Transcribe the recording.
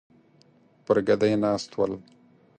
پر ګدۍ ناست ول.